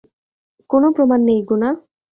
কোনো প্রমাণ নেই, গুনা।